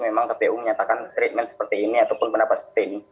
memang kpu menyatakan treatment seperti ini ataupun pendapat seperti ini